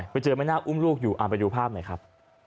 ไปเจอแม่นาคอุ้มลูกอยู่เอาไปดูภาพหน่อยครับ